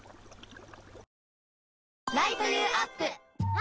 あ！